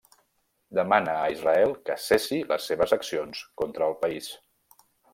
Demana a Israel que cessi les seves accions contra el país.